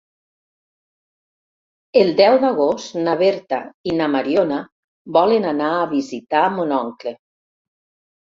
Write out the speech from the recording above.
El deu d'agost na Berta i na Mariona volen anar a visitar mon oncle.